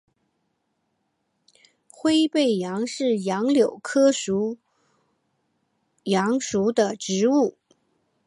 灰背杨是杨柳科杨属的植物。